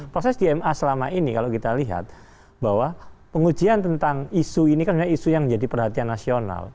proses di ma selama ini kalau kita lihat bahwa pengujian tentang isu ini kan isu yang menjadi perhatian nasional